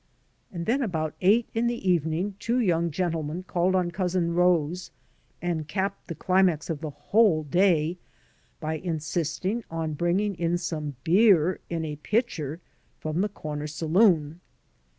And then about eight in the evening two young gentle men called on Cousin Rose and capped the climax of the whole day by insisting on bringing in some beer in a pitcher from the comer saloon.